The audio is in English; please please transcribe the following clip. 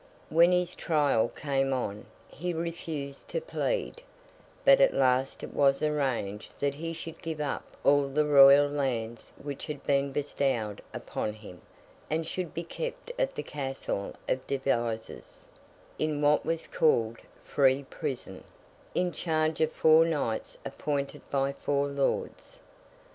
When his trial came on, he refused to plead; but at last it was arranged that he should give up all the royal lands which had been bestowed upon him, and should be kept at the Castle of Devizes, in what was called 'free prison,' in charge of four knights appointed by four lords.